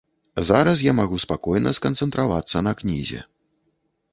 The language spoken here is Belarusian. Зараз я магу спакойна сканцэнтравацца на кнізе.